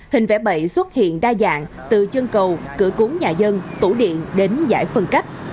hình vẽ bậy xuất hiện đa dạng từ chân cầu cửa cúng nhà dân tủ điện đến giải phân cách